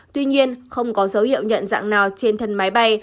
tuy nhiên không có dấu hiệu nhận dạng nào trên thân máy bay